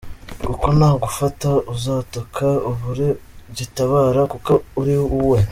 Kuko nagufata uzataka ubure gitabara kuko uri uwe.